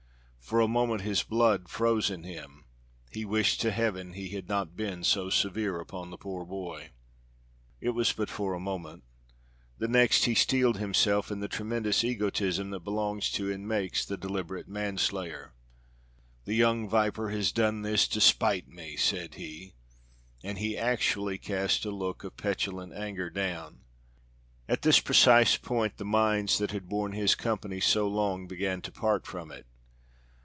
For a moment his blood froze in him. He wished to Heaven he had not been so severe upon the poor boy. It was but for a moment. The next he steeled himself in the tremendous egotism that belongs to and makes the deliberate manslayer. "The young viper has done this to spite me," said he. And he actually cast a look of petulant anger down. At this precise point the minds that had borne his company so long began to part from it.